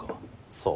そう。